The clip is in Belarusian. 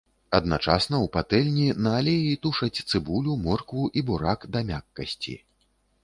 Адначасна ў патэльні на алеі тушаць цыбулю, моркву і буракі да мяккасці.